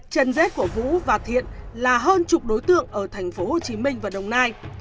chân rết của vũ và thiện là hơn chục đối tượng ở tp hcm và đồng nai